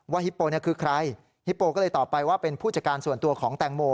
ฮิปโปเนี่ยคือใครฮิปโปก็เลยตอบไปว่าเป็นผู้จัดการส่วนตัวของแตงโม